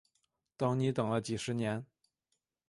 等你等了几十年